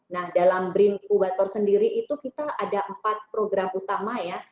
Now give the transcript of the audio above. nah dalam brin kubator sendiri itu kita ada empat program utama ya